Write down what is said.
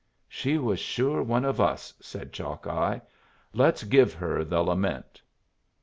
"She was sure one of us," said Chalkeye. "Let's give her the Lament."